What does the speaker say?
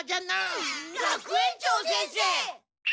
学園長先生！